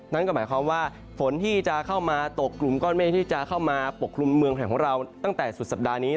นั่นก็หมายความว่าฝนที่จะเข้ามาตกกลุ่มก้อนเมฆที่จะเข้ามาปกคลุมเมืองไทยของเราตั้งแต่สุดสัปดาห์นี้